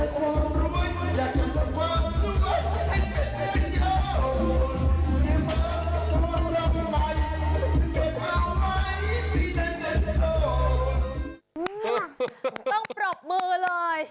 ต้องปรบมือเลย